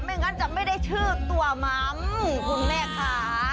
งั้นจะไม่ได้ชื่อตัวมัมคุณแม่ค่ะ